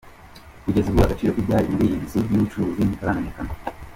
Kugeza ubu agaciro k’ibyari muri iyi nzu y’ubucuruzi ntikaramenyekana.